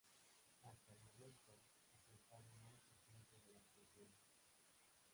Hasta el momento, es el faro más reciente de la Argentina.